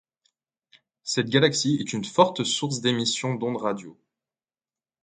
Cette galaxie est une forte source d'émission d'ondes radios.